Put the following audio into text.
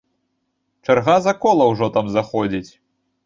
Чарга за кола ўжо там заходзіць.